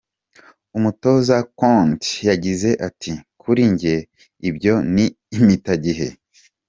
Umutoza Conte yagize ati: "Kuri jye, ibyo ni impitagihe".